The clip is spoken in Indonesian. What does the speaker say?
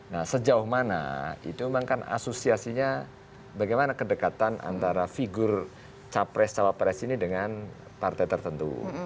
nah sejauh mana itu memang kan asosiasinya bagaimana kedekatan antara figur capres cawapres ini dengan partai tertentu